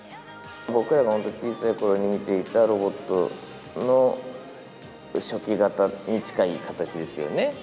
僕らが小さいころに見ていたロボットの初期型に近い形ですよね。